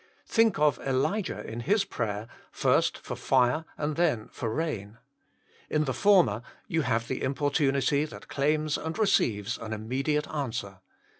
Think of Elijah in his prayer, first for fire, and then for rain. In the former you have the impor tunity that claims and receives an immediate answer.